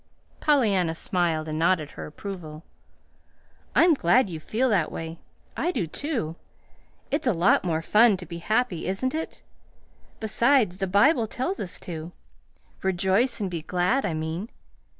Pollyanna smiled and nodded her approval. "I'm glad you feel that way. I do, too. It's a lot more fun to be happy, isn't it? Besides, the Bible tells us to; rejoice and be glad, I mean.